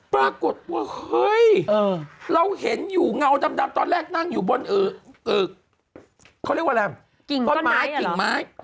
ปรากฏว่าเฮ่ยเราเห็นอยู่เงาดำตอนแรกนั่งอยู่บนกิ่งไม้